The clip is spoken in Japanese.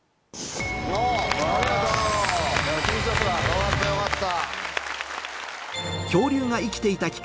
よかったよかった。